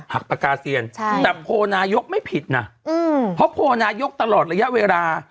ปากกาเซียนแต่โพลนายกไม่ผิดนะเพราะโพลนายกตลอดระยะเวลา